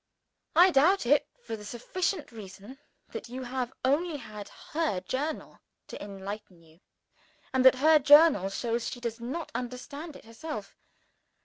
I doubt it, for the sufficient reason that you have only had her Journal to enlighten you, and that her Journal shows she does not understand it herself.